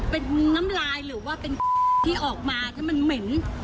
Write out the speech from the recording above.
เป็นน้ำลายหรือว่าเป็นที่ออกมาถ้ามันเหม็น